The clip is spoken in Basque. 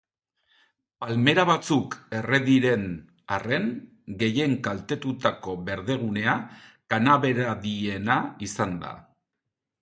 Palmera batzuk erre diren arren, gehien kaltetutako berdegunea kanaberadiena izan da.